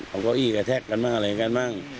เอาเก้าอี้กระแทกกันบ้างอะไรกันบ้าง